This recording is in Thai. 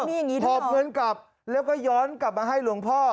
มีอย่างนี้หอบเงินกลับแล้วก็ย้อนกลับมาให้หลวงพ่อ